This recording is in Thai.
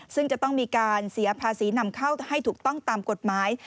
ซึ่งจะต้องมีการเสียภาษีนำเข้าให้ถูกต้องตามกฎหมาย